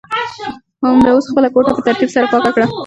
همدا اوس خپله کوټه په ترتیب سره پاکه کړه.